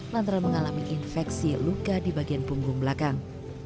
lantaran mengalami infeksi luka di bagian punggung belakang